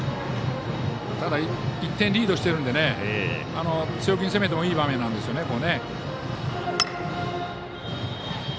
ただ１点リードしてるので強気に攻めてもいい場面ですね。